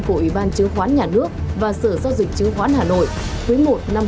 của ubnd hồ chí minh đã đặt tổng đối với hồ chí minh hồ chí minh đã đặt tổng đối với hồ chí minh